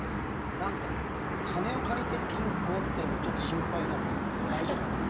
なんか金を借りてる銀行って俺ちょっと心配になるんですけど大丈夫なんですか？